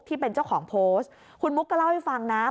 ที่เป็นเจ้าของโพสต์คุณมุกก็เล่าให้ฟังนะ